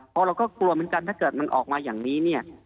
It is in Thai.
เพราะเราก็กลัวเหมือนกันถ้าเกิดมันออกมาอย่างนี้เนี่ย